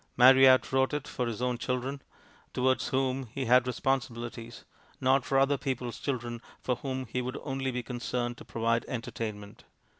Marryat wrote it for his own children, towards whom he had responsibilities; not for other people's children, for whom he would only be concerned to provide entertainment.